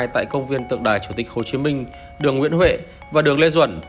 tại công viên tượng đài chủ tịch hồ chí minh đường nguyễn huệ và đường lê duẩn